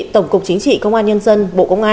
tổng cục chính trị công an nhân dân bộ công an